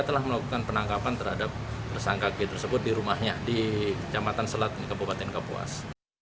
telah melakukan penangkapan terhadap tersangka g tersebut di rumahnya di kecamatan selat kabupaten kapuas